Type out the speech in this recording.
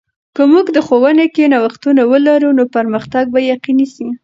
که موږ د ښوونې کې نوښتونه ولرو، نو پرمختګ به یقیني سي.